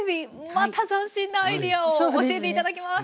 また斬新なアイデアを教えて頂きます。